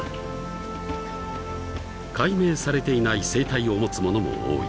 ［解明されていない生態を持つものも多い］